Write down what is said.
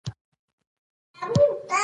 اخندزاده صاحب دا ځل هم تاویز ورکړ.